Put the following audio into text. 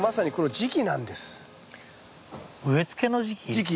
時期。